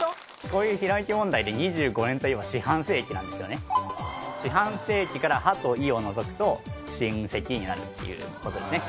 こういうひらめき問題で２５年といえば四半世紀なんですよね四半世紀から「は」と「い」を除くと「しんせき」になるっていうことですね